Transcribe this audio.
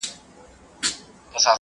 دا مفاهیم ټولنیز واقعیت ته وړاندې کیږي.